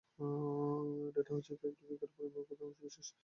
Data হচ্ছে fact বা figure, পরিমাপের ক্ষুদ্র অংশ বিশেষ।